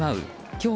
今日